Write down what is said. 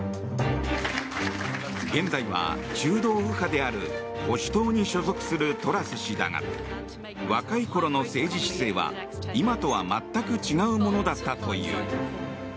現在は中道右派である保守党に所属するトラス氏だが若い頃の政治姿勢は、今とは全く違うものだったという。